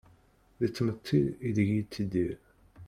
Di tmetti ideg-i yettidir.